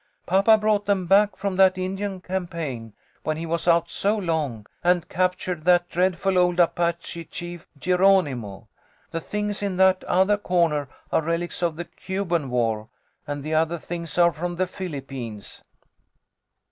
"Papa brought them back from that Indian campaign, when he was out so long, and captured that dreadful old Apache chief, Geronimo. The things in that other corner are relics of the Cuban War, and the other things are from the Philippines."